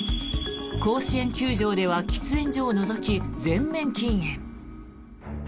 甲子園球場では喫煙所を除き全面禁煙。